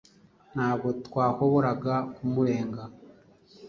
Ntabwo twahoboraga kumurenga